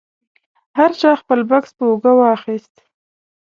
هر چا خپل بکس په اوږه واخیست.